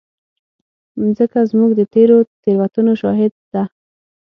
مځکه زموږ د تېرو تېروتنو شاهد ده.